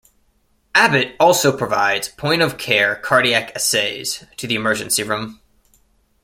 Abbott also provides point-of-care cardiac assays to the emergency room.